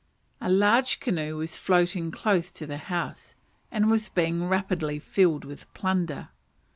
A large canoe was floating close to the house, and was being rapidly filled with plunder.